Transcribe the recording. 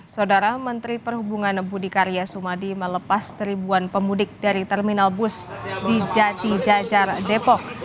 saudara menteri perhubungan budi karya sumadi melepas seribuan pemudik dari terminal bus di jati jajar depok